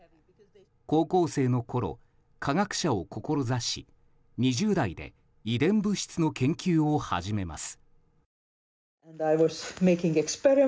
高校生のころ、科学者を志し２０代で遺伝物質の研究を始めます。